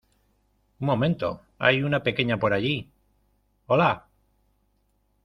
Un momento, hay una pequeña por allí. ¡ hola!